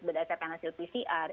berdasarkan hasil pcr